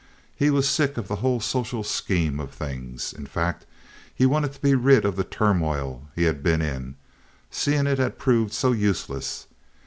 He was sick of the whole social scheme of things. In fact he wanted to be rid of the turmoil he had been in, seeing it had proved so useless.